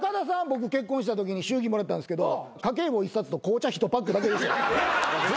僕結婚したときに祝儀もらったんですけど家計簿１冊と紅茶１パックだけ。